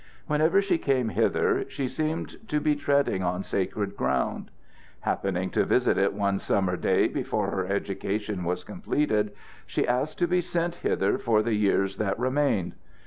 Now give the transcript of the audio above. Whenever she came hither she seemed to be treading on sacred ground. Happening to visit it one summer day before her education was completed, she asked to be sent hither for the years that remained.